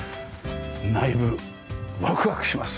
内部ワクワクします。